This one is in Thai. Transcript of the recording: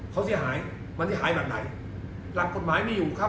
เขาเสียหายมันเสียหายแบบไหนหลักกฎหมายมีอยู่ครับ